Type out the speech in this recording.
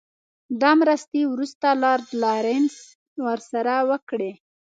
دا مرستې وروسته لارډ لارنس ورسره وکړې.